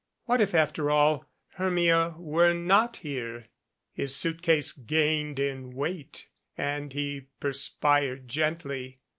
What if, after all, Hermia were not here? His suitcase gained in weight and he perspired gently.